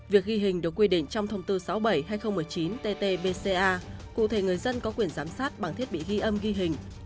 việc ghi hình được quy định trong thông tư sáu mươi bảy hai nghìn một mươi chín tt bca cụ thể người dân có quyền giám sát bằng thiết bị ghi âm ghi hình